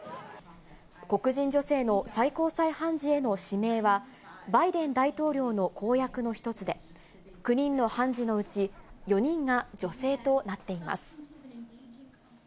黒人女性の最高裁判事への指名は、バイデン大統領の公約の一つで、９人の判事のうち、４人が女性となっています。